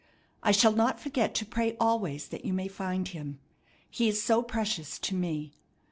I shall not forget to pray always that you may find Him. He is so precious to me!